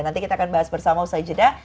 nanti kita akan bahas bersama usai jeda